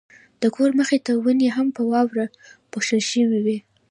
د کور مخې ته ونې هم په واورو پوښل شوې وې.